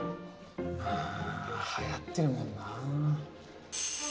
まぁはやってるもんな。